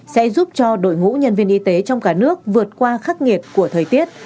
sẽ giúp cho đội ngũ nhân viên y tế trong cả nước vượt qua khắc nghiệt của thời tiết